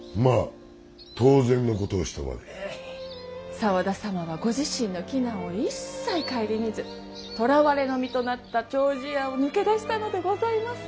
沢田様はご自身の危難を一切顧みず捕らわれの身となった丁子屋を抜け出したのでございます。